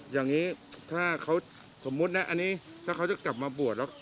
อย่างนี้ถ้าเขาสมมุตินะอันนี้ถ้าเขาจะกลับมาบวชแล้ว